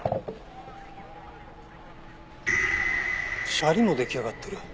シャリも出来上がってる。